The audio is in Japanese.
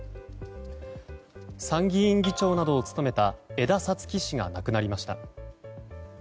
参議院議長などを務めた江田五月氏が亡くなりました。